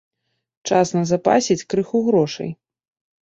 Час назапасіць крыху грошай.